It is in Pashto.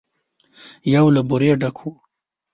يو له بورې ډک و.